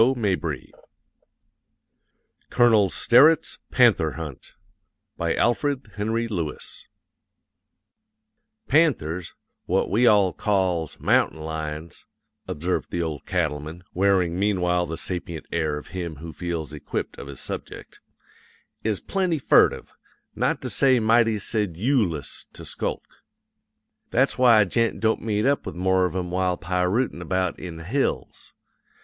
Putnam's Sons.] COLONEL STERETT'S PANTHER HUNT BY ALFRED HENRY LEWIS "Panthers, what we all calls 'mountain lions,'" observed the Old Cattleman, wearing meanwhile the sapient air of him who feels equipped of his subject, "is plenty furtive, not to say mighty sedyoolous to skulk. That's why a gent don't meet up with more of 'em while pirootin' about in the hills.